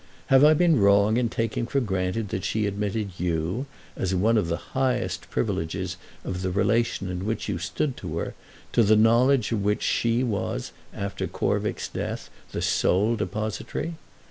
Have I been wrong in taking for granted that she admitted you, as one of the highest privileges of the relation in which you stood to her, to the knowledge of which she was after Corvick's death the sole depositary?